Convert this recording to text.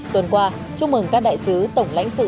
tuần qua chúc mừng các đại sứ tổng lãnh sự